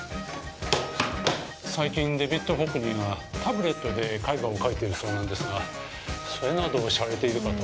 最近デビッド・ホックニーがタブレットで絵画を描いているそうなのですがそれなどシャレているかと。